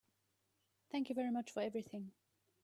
Thank you very much for everything.